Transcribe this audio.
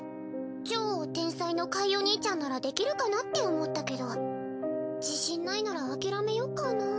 超天才のカイお兄ちゃんならできるかなって思ったけど自信ないなら諦めようかな。